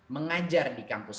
mengajar di kampus